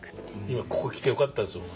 今ここ来てよかったです。